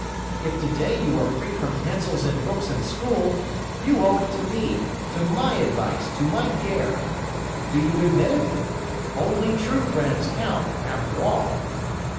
If today you are free from pencils and books and school, you owe it to me, to my advice, to my care. Do you admit it? Only true friends count, after all."